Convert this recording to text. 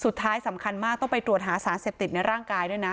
สุดท้ายสำคัญมากต้องไปตรวจหาสารเสพติดในร่างกายด้วยนะ